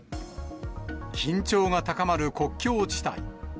緊張が高まる国境地帯。